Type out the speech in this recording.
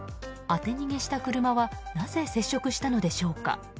当て逃げした車はなぜ接触したのでしょうか。